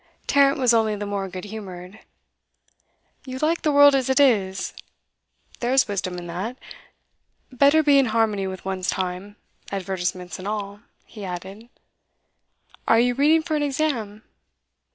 Tarrant was only the more good humoured. 'You like the world as it is? There's wisdom in that. Better be in harmony with one's time, advertisements and all.' He added, 'Are you reading for an exam?